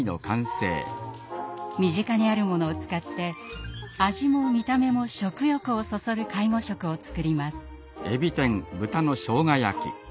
身近にあるものを使って味も見た目も食欲をそそる介護食を作ります。